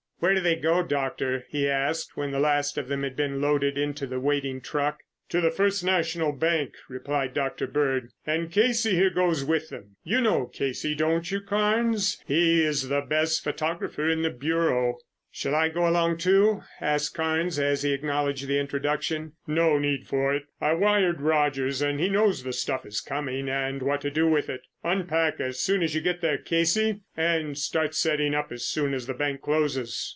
"Where do they go, Doctor?" he asked when the last of them had been loaded onto the waiting truck. "To the First National Bank," replied Dr. Bird, "and Casey here goes with them. You know Casey, don't you, Carnes? He is the best photographer in the Bureau." "Shall I go along too?" asked Carnes as he acknowledged the introduction. "No need for it. I wired Rogers and he knows the stuff is coming and what to do with it. Unpack as soon as you get there, Casey, and start setting up as soon as the bank closes."